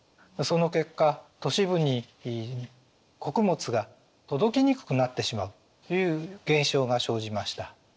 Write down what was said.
その結果都市部に穀物が届きにくくなってしまうという現象が生じました。